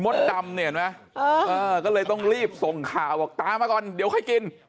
ดำเนี่ยเห็นไหมก็เลยต้องรีบส่งข่าวบอกตามมาก่อนเดี๋ยวค่อยกิน